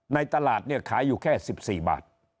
ในตลาดเนี่ยขายอยู่แค่๑๔บาท